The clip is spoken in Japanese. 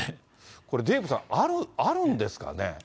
これ、デーブさん、あるんですかね。